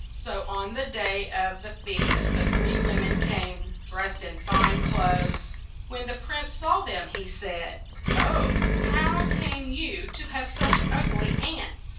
So on the day of the feast the THE SEVEN CROWS 61 three wom en came, dressed in fine clothes. When the prince saw them, he said, "Oh, how came you to have such ug ly aunts?"